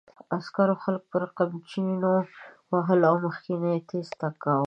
عسکرو خلک پر قمچینو وهل او مخکې یې تېز تګ کاوه.